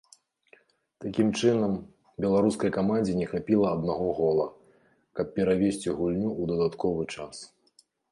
Такім чынам, беларускай камандзе не хапіла аднаго гола, каб перавесці гульню ў дадатковы час.